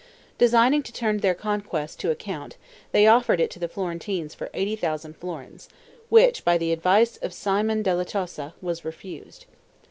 Designing to turn their conquest to account, they offered it to the Florentines for 80,000 florins, which, by the advice of Simone della Tosa, was refused.